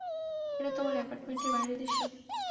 এটা তোমার অ্যাপার্টমেন্টের বাইরের দৃশ্য।